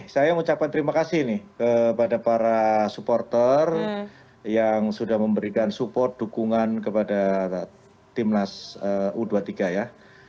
saya mengucapkan terima kasih nih kepada para supporter yang sudah memberikan support dukungan kepada timnas u dua puluh tiga ya